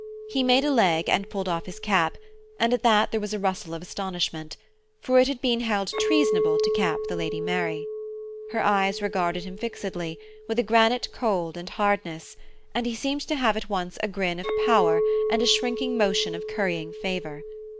He made a leg and pulled off his cap, and at that there was a rustle of astonishment, for it had been held treasonable to cap the Lady Mary. Her eyes regarded him fixedly, with a granite cold and hardness, and he seemed to have at once a grin of power and a shrinking motion of currying favour.